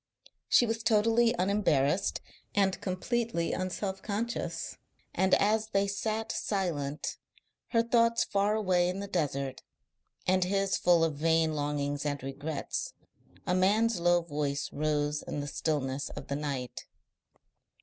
She was totally unembarrassed and completely un self conscious. And as they sat silent, her thoughts far away in the desert, and his full of vain longings and regrets, a man's low voice rose in the stillness of the night.